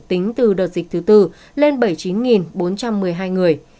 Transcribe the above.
tính từ đợt dịch thứ tư lên bảy mươi chín bốn trăm một mươi hai người